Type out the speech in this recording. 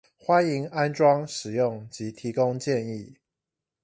歡迎安裝使用及提供建議